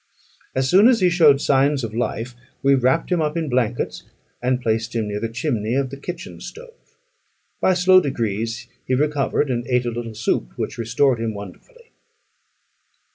As soon as he showed signs of life we wrapped him up in blankets, and placed him near the chimney of the kitchen stove. By slow degrees he recovered, and ate a little soup, which restored him wonderfully.